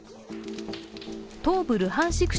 東部ルハンシク